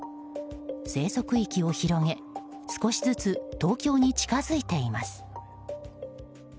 生息域を広げ少しずつ東京に近づいています。